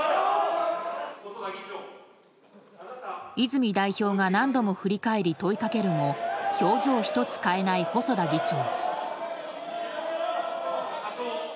泉代表が何度も振り返り問いかけるも表情一つ変えない細田議長。